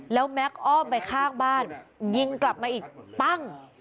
แล้วแม็กซ์อ้อมไปข้างบ้านยิงกลับมาอีกปั้ง